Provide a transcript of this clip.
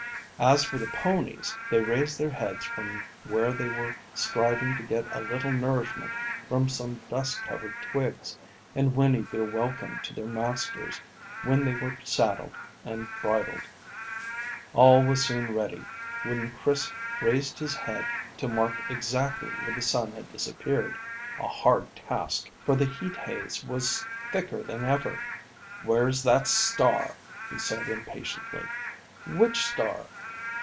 As for the ponies, they raised their heads from where they were striving to get a little nourishment from some dust covered twigs, and whinnied their welcome to their masters when they were saddled and bridled. All was soon ready, when Chris raised his head to mark exactly where the sun had disappeared a hard task, for the heat haze was thicker than ever. "Where's that star?" he said impatiently. "Which star?"